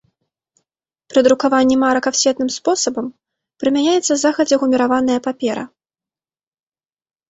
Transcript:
Пры друкаванні марак афсетным спосабам прымяняецца загадзя гуміраваная папера.